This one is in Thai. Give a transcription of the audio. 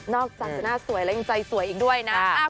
อกจากจะหน้าสวยแล้วยังใจสวยอีกด้วยนะ